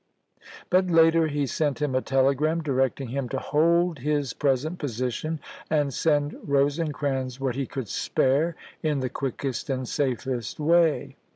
But later he sent him a telegram directing him to hold his present position and send Rose crans what he could spare in the quickest and safest way.